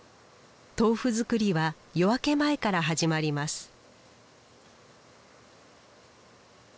豆腐作りは夜明け前から始まります